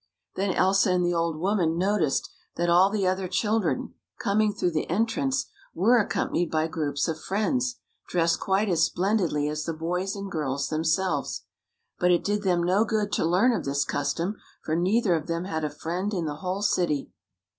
Then Elsa and the old woman noticed that all the other children coming through the entrance were accompanied by groups of friends, dressed quite as splendidly as the boys and girls themselves. But it did them no good to learn of this custom, for neither of them had a friend in the whole city.